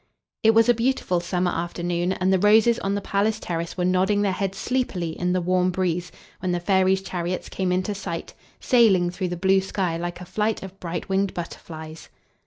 It was a beautiful summer afternoon, and the roses on the palace terrace were nodding their heads sleepily in the warm breeze, when the fairies' chariots came into sight, sailing through the blue sky like a flight of bright winged butterflies.